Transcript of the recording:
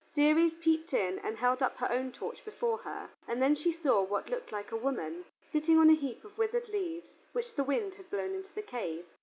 Ceres peeped in and held up her own torch before her, and then she saw what looked like a woman, sitting on a heap of withered leaves, which the wind had blown into the cave.